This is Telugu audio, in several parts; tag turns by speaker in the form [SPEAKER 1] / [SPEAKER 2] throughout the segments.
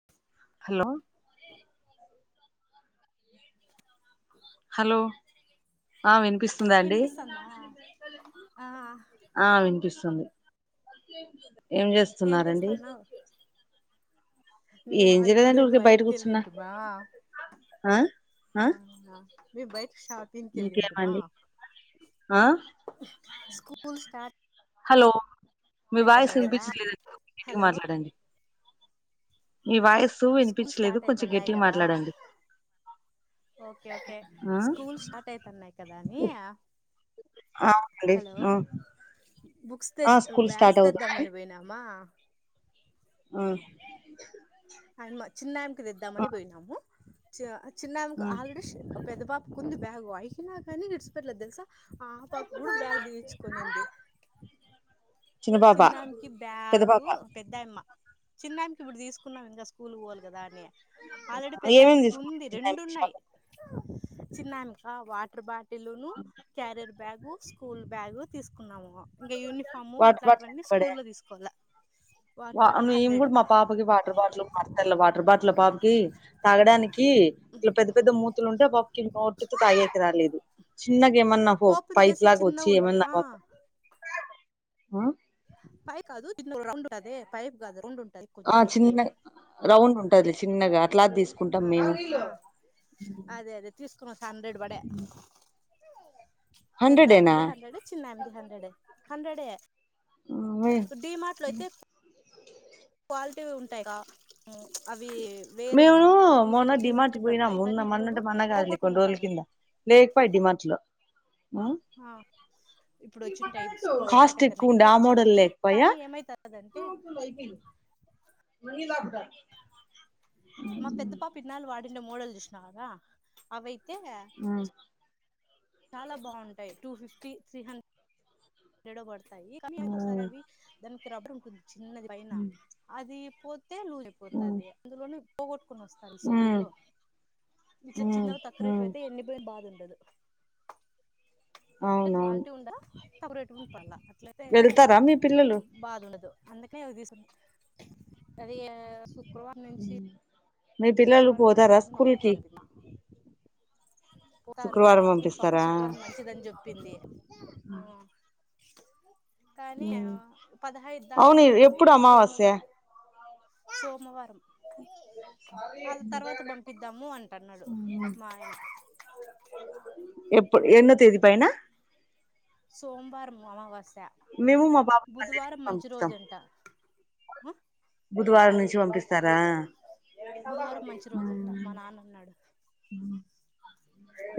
[SPEAKER 1] [inaudible]
[SPEAKER 2] హలో హలో ఆ విని
[SPEAKER 1] వినిపిస్తందా ఆ
[SPEAKER 2] ఆ వినిపిస్తుంది ఏం
[SPEAKER 1] ఏం
[SPEAKER 2] జేస్తున్నారండి
[SPEAKER 1] చేస్తున్నావు మేమా
[SPEAKER 2] ఏం
[SPEAKER 1] ఇప్పుడే
[SPEAKER 2] చేయలేదండి ఊరికే బయట కూర్చున్నా
[SPEAKER 1] బయటికెళ్ళింటమా
[SPEAKER 2] ఆ ఆ
[SPEAKER 1] అవునా మేమ్ బైట్కి షాపింగ్కి ఎళ్ళింటమా
[SPEAKER 2] ఇంకేమండి ఆ
[SPEAKER 1] స్కూల్ స్టార్ట్
[SPEAKER 2] హలో మీ వాయిస్
[SPEAKER 1] అయితున్నాయి కదా
[SPEAKER 2] వినిపించలేదండి. కొద్దిగ గట్టిగ
[SPEAKER 1] హలో
[SPEAKER 2] మాట్లాడండి. మీ వాయిస్
[SPEAKER 1] స్కూల్
[SPEAKER 2] వినిపించలేదు
[SPEAKER 1] స్టార్ట్
[SPEAKER 2] కొంచెం
[SPEAKER 1] అయితానయి
[SPEAKER 2] గట్టిగా
[SPEAKER 1] గదా
[SPEAKER 2] మాట్లాడండి
[SPEAKER 1] ఓకే ఓకే
[SPEAKER 2] ఆ
[SPEAKER 1] స్కూల్ స్టార్ట్ అయితన్నాయి కదా అనీ
[SPEAKER 2] ఆ అండి హుమ్
[SPEAKER 1] బుక్స్ తెద్ బ్యాగ్స్
[SPEAKER 2] అవుతుంది
[SPEAKER 1] తెద్దామని పోయినామా
[SPEAKER 2] ఆ
[SPEAKER 1] ఆయమ్మ చిన్నాయమ్మ కి
[SPEAKER 2] ఆ
[SPEAKER 1] తెద్దామని పొయినాము చి చిన్నయమ్మ
[SPEAKER 2] ఆ
[SPEAKER 1] కి ఆల్రెడీ పెద్ద పా ఉంది బ్యాగు అయినా గానీ విడిచిపెట్లేదు తెలుసా ఆ ఆ పాప గూడ బ్యాగ్ తీయిచ్చుకునింది.
[SPEAKER 2] చిన్న పాప
[SPEAKER 1] చిన్నానికి
[SPEAKER 2] పెద్ద
[SPEAKER 1] బ్యాగు
[SPEAKER 2] పాప
[SPEAKER 1] పెద్దయమ్మ చిన్నాయమ్మకి ఇబుడు తీసుకున్నాం ఇంగ స్కూల్ కు పోవలే గదా అని ఆల్రెడీ
[SPEAKER 2] ఏమేమి
[SPEAKER 1] పెద్దాయమిక
[SPEAKER 2] తీసుకున్నారు
[SPEAKER 1] ఉంది
[SPEAKER 2] చిన్నాయన
[SPEAKER 1] రెండు ఉన్నాయి
[SPEAKER 2] షాప్
[SPEAKER 1] చిన్నామికి వాటర్ బాటి ఇల్లూను క్యారియర్ బ్యాగు స్కూల్ బ్యాగు తీసుకున్నాము. ఇంగ యూనిఫాము
[SPEAKER 2] వాటర్ బాటిల్
[SPEAKER 1] ఇట్లంటివన్నీ స్కూల్లో తీసుకోవల
[SPEAKER 2] వ మీమ్ గూడ మా పాపకి వాటర్ బాట్లు మాతెల్ల వాటర్ బాట్లు పాపకి తాగడానికీ ఇట్ల పెద్ద పెద్ద మూతులు ఉంటే పాపకి నోటితో తాగేకి రాలేదు. చిన్నగేమన్న హో
[SPEAKER 1] ఓపెన్
[SPEAKER 2] పైప్
[SPEAKER 1] చేసి
[SPEAKER 2] లాగా
[SPEAKER 1] చిన్న
[SPEAKER 2] వచ్చి
[SPEAKER 1] ఉండే
[SPEAKER 2] ఏమన్నా
[SPEAKER 1] ఆ
[SPEAKER 2] పో ఆ
[SPEAKER 1] పైప్ గాదు కింద రౌండ్ ఉంటాదే పైప్ గాదు రొండు ఉంటది.
[SPEAKER 2] ఆ
[SPEAKER 1] కొంచెం పైకి
[SPEAKER 2] చిన్నది రౌండ్ ఉంటది. చిన్నగా అట్లాదీసుకుంటాం మేము
[SPEAKER 1] అదె అదే తీసుకొనొస్తి హండ్రెడ్ బడే
[SPEAKER 2] హండ్రెడేనా
[SPEAKER 1] పెద్ద్యామ్మది హండ్రెడే చిన్నాయమ్మది హండ్రెడే హండ్రెడే డీమాట్లో అయితే క్వాలిటీవి ఉంటాయి క ఉ అవి వేరే
[SPEAKER 2] మేమూ
[SPEAKER 1] అనమాట అవి టూ ఫిఫ్టీ
[SPEAKER 2] మొన్న
[SPEAKER 1] టూ సిక్స్టీ
[SPEAKER 2] డిమార్డ్కి పోయినాం
[SPEAKER 1] పడతాయి కానీ
[SPEAKER 2] ఉన్న మొన్న
[SPEAKER 1] పిల్లలు
[SPEAKER 2] అంటే మొన్న కాదులె
[SPEAKER 1] పోగొట్టుకొని
[SPEAKER 2] కొన్రోజుల
[SPEAKER 1] వస్తారు
[SPEAKER 2] కింద లేకపాయ డీమాట్లో
[SPEAKER 1] ఆ ఇప్పుడొచ్చుంటయి ఇప్పుడు స్కూల్ స్టార్ట్
[SPEAKER 2] కాస్ట్
[SPEAKER 1] అయితనయి
[SPEAKER 2] ఎక్కువ
[SPEAKER 1] కదా
[SPEAKER 2] ఉండే ఆ మోడల్
[SPEAKER 1] వచ్చింటాయి
[SPEAKER 2] లేకపోయా
[SPEAKER 1] కానీ ఏమైతానదంటే
[SPEAKER 2] మళ్ళీ లాగ్ [inaudible]
[SPEAKER 1] మా పెద్ద పాప ఇన్నాళ్ళు వాడిండే మోడల్ జూశినాగా అవైతే
[SPEAKER 2] ఊ
[SPEAKER 1] చాలా బావుంటాయి టూఫిఫ్టీ త్రీహన్ రెడో బడతాయి కాని ఒకసారి
[SPEAKER 2] హ్మ్
[SPEAKER 1] అవి దానికి రబ్బర్ ఉంటుంది చిన్నది పైన అది పోతే లూసైపోతాది అందులోనే పోగొట్టుకుని వస్తది
[SPEAKER 2] హ్మ్
[SPEAKER 1] స్కూల్లో ఇట్ల
[SPEAKER 2] హ్మ్
[SPEAKER 1] చిన్నవి తక్కువ రెట్ వి
[SPEAKER 2] హ్మ్
[SPEAKER 1] ఐతే ఎన్ని బే బాదుండదు అంటే
[SPEAKER 2] అవునవును
[SPEAKER 1] క్వాలిటీ ఉంద సపరేటు ఉంపాల అట్లాయితే
[SPEAKER 2] వెళ్తారా మీ పిల్లలు
[SPEAKER 1] బాదుండదు అందకనే ఒదిలేసి అది శుక్రవా
[SPEAKER 2] మీ పిల్లలు పోతారా
[SPEAKER 1] మంచిదని మా
[SPEAKER 2] స్కూల్
[SPEAKER 1] పక్కింటి
[SPEAKER 2] కి
[SPEAKER 1] ఆమె తిన్నా పోతారు
[SPEAKER 2] శుక్రవారం
[SPEAKER 1] పక్కింటి పాప
[SPEAKER 2] పంపిస్తారా
[SPEAKER 1] శుక్లారం మంచిదని జెప్పింది ఉమ్ కనీ ఆ
[SPEAKER 2] ఉమ్.
[SPEAKER 1] పదహైదు దాకా
[SPEAKER 2] అవును
[SPEAKER 1] ఏమో
[SPEAKER 2] ఎప్పుడు అమావాస్య
[SPEAKER 1] సోమవారం సోమవారం అది తర్వాత పంపిద్దాము అంటన్నాడు
[SPEAKER 2] ఉమ్.
[SPEAKER 1] మా ఆయన
[SPEAKER 2] ఎప్పుడు ఎన్నో తేదీ పైన
[SPEAKER 1] సోమవారం అమావాస్య
[SPEAKER 2] మేము మా బాబా మండే నుంచి
[SPEAKER 1] బుధవారం మంచి
[SPEAKER 2] పంపిస్తాం.
[SPEAKER 1] రోజంట
[SPEAKER 2] బుధవారం నుంచి పంపిస్తారా.
[SPEAKER 1] బుధవారం మంచి రోజంటా మా నాన్నా అన్నాడు.
[SPEAKER 2] హ్మ్మ్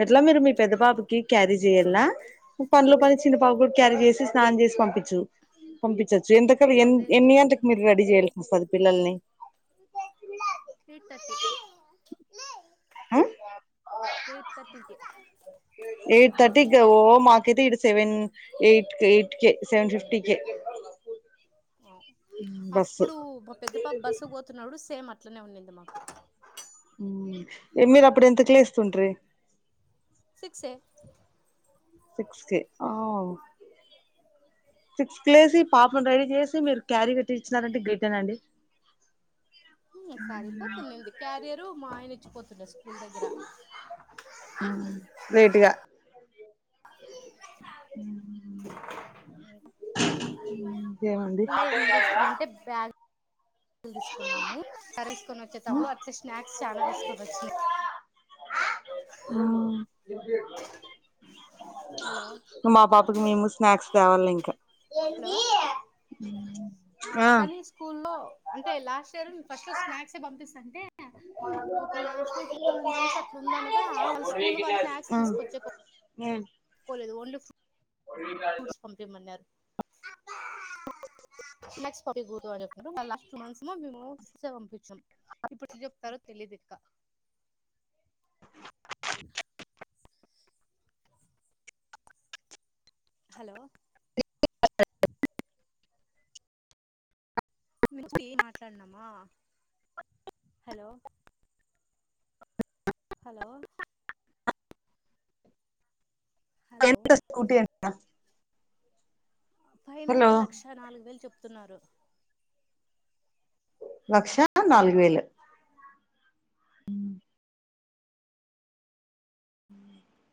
[SPEAKER 2] ఎట్లా మీరు మీ పెద్ద బాబుకి క్యారీ చెయాల. పనులో పని చిన్న పాపకు క్యారీ చేసి స్నానం చేసి పంపించు పంపించచ్చు ఎంత. ఇక్కడ ఎ
[SPEAKER 1] అదే
[SPEAKER 2] ఎన్ని గంటలకి
[SPEAKER 1] చూస్తున్నా
[SPEAKER 2] మీరు రెడీ చేయాల్సి వస్తుంది పిల్లల్ని.
[SPEAKER 1] Eight thirty.
[SPEAKER 2] ఆ
[SPEAKER 1] ఎయిట్ థర్టీ కి.
[SPEAKER 2] ఎయిట్ థర్టీ ఓ మాకైతే ఇ సెవెన్ ఎయిట్ ఎయిట్. కె సెవెన్ ఫిఫటీ కె బస్.
[SPEAKER 1] అప్పుడు మా పెద్ద పాప బస్సు పోతున్నాడు సేమ్ అట్లనే ఉన్నింది మాకు.
[SPEAKER 2] ఏమిది అప్పుడు ఎంతకు లేస్తుండ్రి
[SPEAKER 1] సిక్స్ ఏ
[SPEAKER 2] సిక్స్ కే హా సిక్స్ కి లేసి పాపను రెడీ చేసి మీరు క్యారీ కట్టి ఇచ్చినారంటే గ్రేట్ ఏ నండి.
[SPEAKER 1] [inaudible] సరిపోతదింది క్యారియరు మా ఆయన ఇచ్చిపోతుండ స్కూల్ దగ్గర
[SPEAKER 2] లేటుగా.
[SPEAKER 1] [inaudible]
[SPEAKER 2] ఇంకేమండి
[SPEAKER 1] ఇంగా ఏం చేస్తామంటే బ్యాగ్ లు తీసుకున్నాము స తీసుకొని వచ్చే తప్పుడు అట్ స్నాక్స్ చానా తీసుకొని వచ్చినాయి.
[SPEAKER 2] ఉమ్ [inaudible]
[SPEAKER 1] హలో
[SPEAKER 2] మా పాపకు మేము. స్నాక్స్ కావాలి ఇంకా
[SPEAKER 1] హలో
[SPEAKER 2] ఆ
[SPEAKER 1] స్కూ లో అంటే లాస్ట్ ఇయర్ ఫస్ట్ లో స్నాక్స్ పంపిస్తంటే. ఒక లాస్ట్ టూ మంత్స్ అట్లా ఉందనగా అ స్కూల్ వాళ్ళు స్నాక్స్ తీసుకొచ్చే.
[SPEAKER 2] ఉమ్
[SPEAKER 1] పోలేదు ఓన్లీ.
[SPEAKER 2] రింగాడెజొ
[SPEAKER 1] ఫ్రూట్స్ పంపిమన్నారు క్ని లాస్ట్ టూ మంత్స్ మేము సేవ పంపించాం. ఇప్పుడు ఎట్లా చెప్తారో తెలియదు ఇంకా [inaudible] హలో మీచ్టి మాట్లాడునామా హలో హలో హలో
[SPEAKER 2] ఎంత స్కూటీ అంటా
[SPEAKER 1] ఫైనల్
[SPEAKER 2] హలో
[SPEAKER 1] గా లక్ష నాలుగు వేలు చెప్పుతున్నారు.
[SPEAKER 2] లక్ష అ నాలుగు వేలు. హ్మ్మ్ ఉ [inaudible]